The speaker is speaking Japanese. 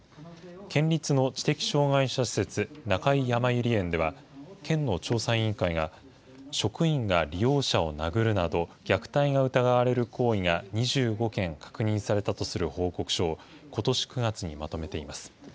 県立の知的障害者施設、中井やまゆり園では、県の調査委員会が、職員が利用者を殴るなど虐待が疑われる行為が２５件確認されたとする報告書を、ことし９月にまとめています。